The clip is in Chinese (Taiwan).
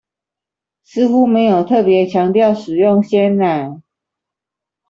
似乎沒有特別強調使用鮮奶